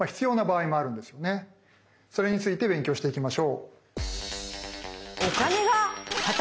それについて勉強していきましょう。